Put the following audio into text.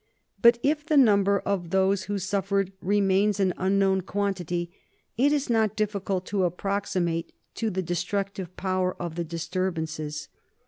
But if the number of those who suffered remains an unknown quantity, it is not difficult to approximate to the destructive power of the disturbances.